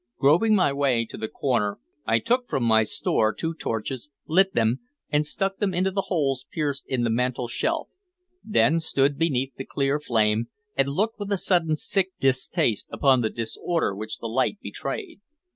Groping my way to the corner, I took from my store two torches, lit them, and stuck them into the holes pierced in the mantel shelf; then stood beneath the clear flame, and looked with a sudden sick distaste upon the disorder which the light betrayed.